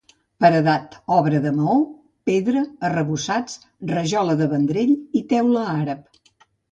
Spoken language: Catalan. Paredat, obra de maó, pedra, arrebossats, rajola de Vendrell i teula àrab.